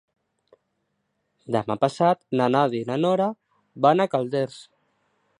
Demà passat na Nàdia i na Nora van a Calders.